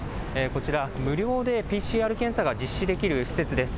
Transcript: こちら無料でＰＣＲ検査が実施できる施設です。